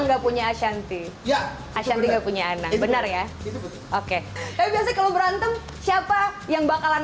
enggak punya ashanti ya ashanti enggak punya anak benar ya oke tapi biasanya kalau berantem siapa yang bakalan